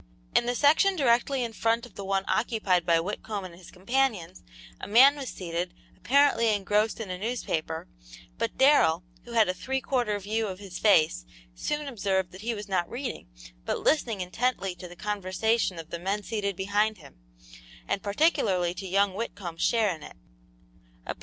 In the section directly in front of the one occupied by Whitcomb and his companions a man was seated, apparently engrossed in a newspaper, but Darrell, who had a three quarter view of his face, soon observed that he was not reading, but listening intently to the conversation of the men seated behind him, and particularly to young Whitcomb's share in it.